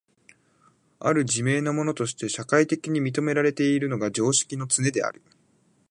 或る自明なものとして社会的に認められているのが常識のつねである。